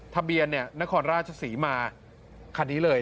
ทะเบียนเนี่ยนครราชสีมาคันนี้เลย